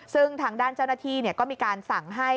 ซึ่งทางด้านเจ้าหน้าที่ก็มีการสั่งให้